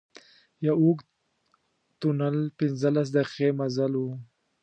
یو اوږد تونل پنځلس دقيقې مزل و.